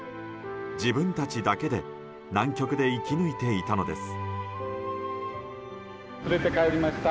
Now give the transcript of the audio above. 自分たちだけで南極で生き抜いていたのです。